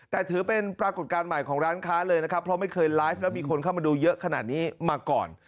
แต่ถือเป็นปรากฏการณ์ใหม่ของร้านค้าเลยนะครับเพราะไม่เคยไลฟ์แล้วมีคนเข้ามาดูเยอะขนาดนี้มาก่อน